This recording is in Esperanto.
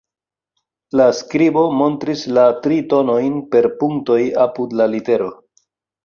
La skribo montris la tri tonojn per punktoj apud la litero.